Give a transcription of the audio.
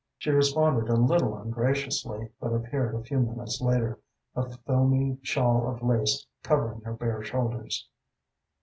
She responded a little ungraciously, but appeared a few minutes later, a filmy shawl of lace covering her bare shoulders.